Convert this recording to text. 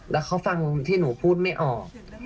แล้วเขาฟังที่หนูพูดไม่ออก